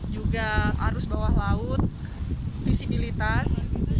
juga arus bawah laut visibilitas